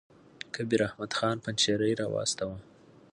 کبیر احمد خان پنجشېري را واستاوه.